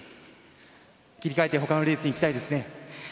切り替えて他のレースにいきたいですね。